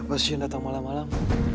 siapa sih yang datang malam malam